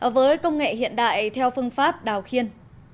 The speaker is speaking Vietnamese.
với công nghệ hiện đại theo phương pháp đào khiên